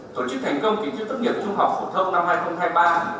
tổ chức thành công ký ký phát nghiệp trung học phổ thông năm hai nghìn hai mươi ba